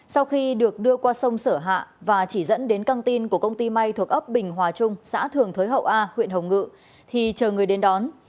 sau khi được đưa qua sông sở hạ và chỉ dẫn đến căng tin của công ty may thuộc ấp bình hòa trung xã thường thới hậu a huyện hồng ngự thì chờ người đến đón